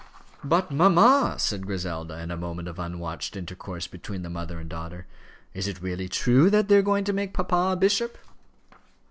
"But, mamma," said Griselda, in a moment of unwatched intercourse between the mother and daughter, "is it really true that they are going to make papa a bishop?"